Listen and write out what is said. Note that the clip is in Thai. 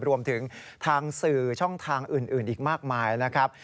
รวมถึงทางสื่อช่องทางอื่นอีกมากมายนะครับ